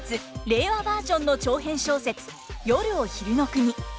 令和バージョンの長編小説「夜を昼の國」。